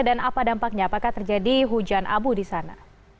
dan apa dampaknya apakah terjadi hujan abu di sana